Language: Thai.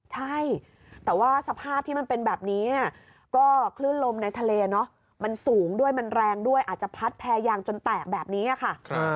ใช่แต่ว่าสภาพที่มันเป็นแบบนี้ก็คลื่นลมในทะเลเนอะมันสูงด้วยมันแรงด้วยอาจจะพัดแพรยางจนแตกแบบนี้ค่ะ